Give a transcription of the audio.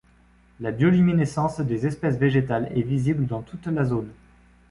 La bioluminescence des espèces végétales est visible dans toute la zone.